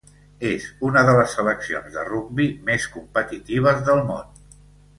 És una de les seleccions de rugbi més competitives del món.